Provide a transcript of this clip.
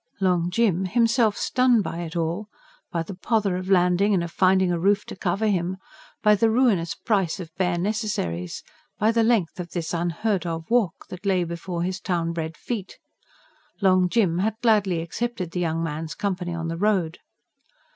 Long Jim, himself stunned by it all: by the pother of landing and of finding a roof to cover him; by the ruinous price of bare necessaries; by the length of this unheard of walk that lay before his town bred feet: Long Jim had gladly accepted the young man's company on the road.